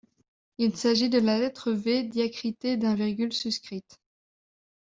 Il s'agit de la lettre V diacritée d'un virgule suscrite.